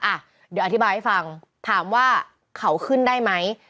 อ่ะเดี๋ยวอธิบายให้ฟังถามว่าเขาขึ้นได้ไหม